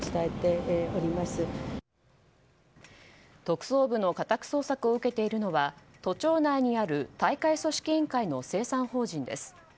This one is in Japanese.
特捜部の家宅捜索を受けているのは都庁内にある大会組織委員会の清算法人です。